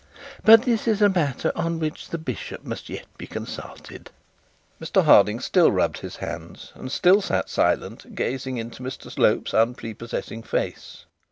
But this is a matter on which the bishop must yet be consulted.' Mr Harding still rubbed his hands, and still sat silent, gazing up into Mr Slope's unprepossessing face.